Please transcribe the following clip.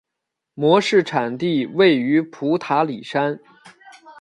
模式产地位于普塔里山。